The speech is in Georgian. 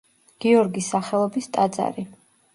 გიორგის სახელობის ტაძარი.